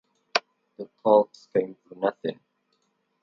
The talks came to nothing.